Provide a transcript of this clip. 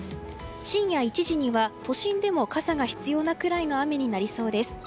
深夜１時には都心でも傘が必要なくらいの雨になりそうです。